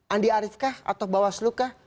andi arief kah atau bawaslu kah